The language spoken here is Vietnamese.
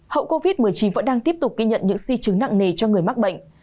hậu covid một mươi chín vẫn đang tiếp tục ghi nhận những di chứng nặng nề cho người mắc bệnh